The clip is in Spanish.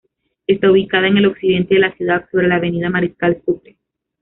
Está ubicada en el occidente de la ciudad, sobre la Avenida Mariscal Sucre.